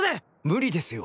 無理ですよ。